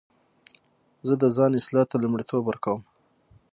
زه د ځان اصلاح ته لومړیتوب ورکوم.